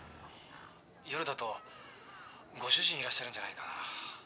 「夜だとご主人いらっしゃるんじゃないかな」